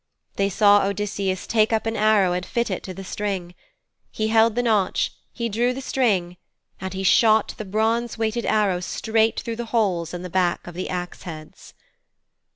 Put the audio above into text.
They saw Odysseus take up an arrow and fit it to the string. He held the notch, and he drew the string, and he shot the bronze weighted arrow straight through the holes in the back of the axe heads.